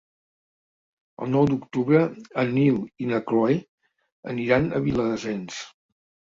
El nou d'octubre en Nil i na Cloè aniran a Viladasens.